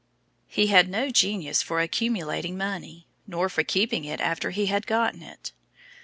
He had no genius for accumulating money nor for keeping it after he had gotten it.